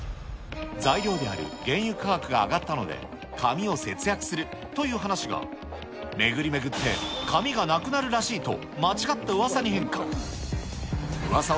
材料である原油価格が上がったので、紙を節約するという話が、巡り巡って紙がなくなるらしいと、間違ったうわさに変化。